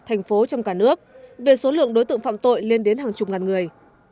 thành phố trong cả nước về số lượng đối tượng phạm tội lên đến hàng chục ngàn người